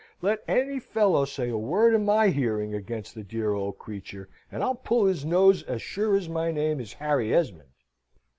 "Let any fellow say a word in my hearing against that dear old creature, and I'll pull his nose, as sure as my name is Harry Esmond.